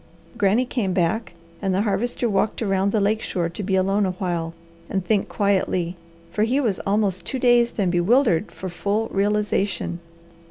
Granny came back, and the Harvester walked around the lake shore to be alone a while and think quietly, for he was almost too dazed and bewildered for full realization.